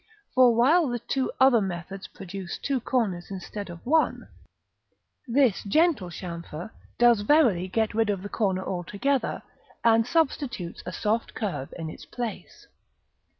For while the two other methods produce two corners instead of one, this gentle chamfer does verily get rid of the corner altogether, and substitutes a soft curve in its place.